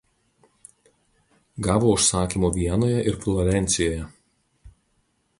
Gavo užsakymų Vienoje ir Florencijoje.